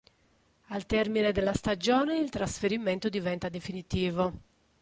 Al termine della stagione il trasferimento diventa definitivo.